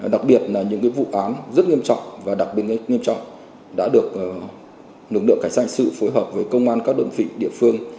đặc biệt là những vụ án rất nghiêm trọng và đặc biệt nghiêm trọng đã được lực lượng cảnh sát hình sự phối hợp với công an các đơn vị địa phương